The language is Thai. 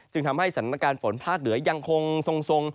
ทำให้สถานการณ์ฝนภาคเหนือยังคงทรง